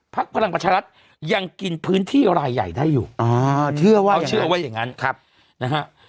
ภาคพลังประชารัฐยังกินพื้นที่รายใหญ่ได้อยู่เขาเชื่อว่าอย่างนั้น